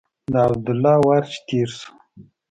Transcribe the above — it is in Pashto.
د عبدالله وار چې تېر شو.